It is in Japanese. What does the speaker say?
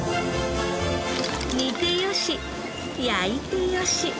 煮て良し焼いて良し。